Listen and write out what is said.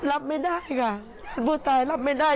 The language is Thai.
รับไม่ได้ค่ะผู้ตายรับไม่ได้